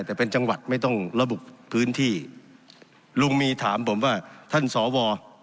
แต่เป็นจังหวัดไม่ต้องระบุพื้นที่ลุงมีถามผมว่าท่านสว